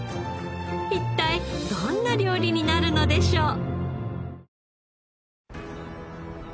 一体どんな料理になるのでしょう？